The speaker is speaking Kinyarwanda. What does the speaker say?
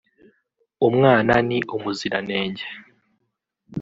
umwana ni umuziranenge